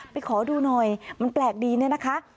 ขอดูหน่อยมันแปลกดีเนี่ยนะคะ